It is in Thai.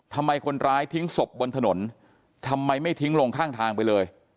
ทำไมคนร้ายทิ้งศพบนถนนทำไมไม่ทิ้งลงข้างทางไปเลย